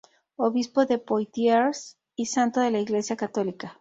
Obispo de Poitiers y santo de la Iglesia católica.